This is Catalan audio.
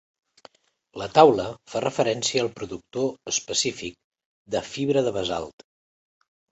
La taula fa referència al productor específic de fibra de basalt.